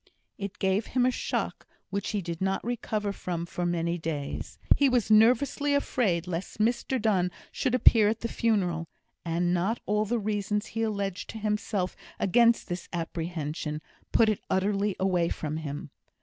It gave him a shock which he did not recover from for many days. He was nervously afraid lest Mr Donne should appear at the funeral; and not all the reasons he alleged to himself against this apprehension, put it utterly away from him.